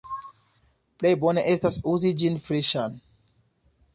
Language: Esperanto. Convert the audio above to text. Plej bone estas uzi ĝin freŝan.